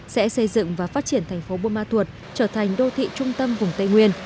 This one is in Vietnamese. sẽ xây dựng và phát triển thành phố buôn ma thuột trở thành đô thị trung tâm vùng tây nguyên